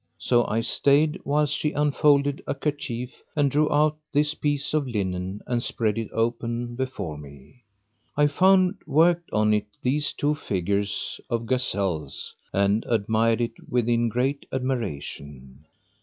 So I stayed whilst she unfolded a kerchief and drew out this piece of linen and spread it open before me. I found worked on it these two figures of gazelles and admired it with great admiration.